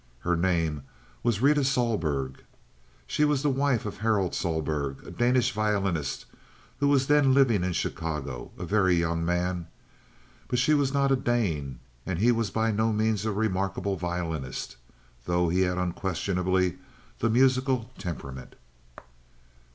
Her name was Rita Sohlberg. She was the wife of Harold Sohlberg, a Danish violinist who was then living in Chicago, a very young man; but she was not a Dane, and he was by no means a remarkable violinist, though he had unquestionably the musical temperament.